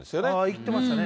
行ってましたね。